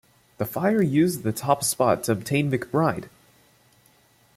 The Fire used the top spot to obtain McBride.